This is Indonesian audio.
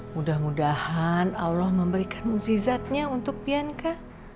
mudah mudahan allah memberikan muzizatnya untuk pianka